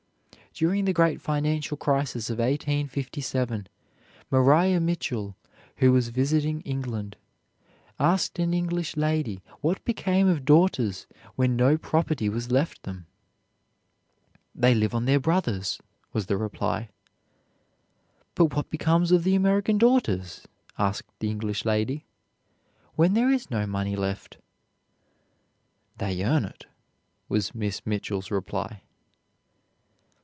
During the great financial crisis of 1857 Maria Mitchell, who was visiting England, asked an English lady what became of daughters when no property was left them. "They live on their brothers," was the reply. "But what becomes of the American daughters," asked the English lady, "when there is no money left?" "They earn it," was Miss Mitchell's reply.